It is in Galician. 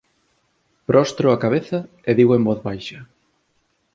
Prostro a cabeza e digo en voz baixa: